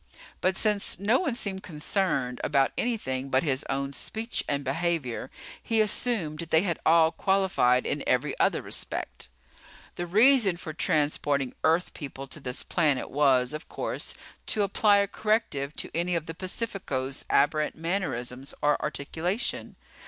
But since no one seemed concerned about anything but his own speech and behavior, he assumed that they had all qualified in every other respect. The reason for transporting Earth People to this planet was, of course, to apply a corrective to any of the Pacificos' aberrant mannerisms or articulation.